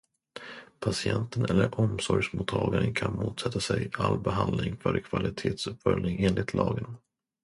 Patienten eller omsorgsmottagaren kan motsätta sig all behandling för kvalitetsuppföljning enligt lagen.